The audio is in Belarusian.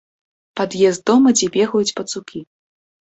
Пад'езд дома, дзе бегаюць пацукі.